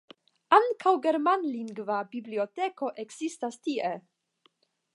Ankaŭ germanlingva biblioteko ekzistas tie.